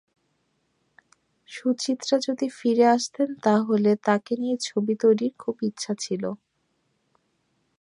সুচিত্রা যদি ফিরে আসতেন তাহলে তাঁকে নিয়ে ছবি তৈরির খুব ইচ্ছা ছিল।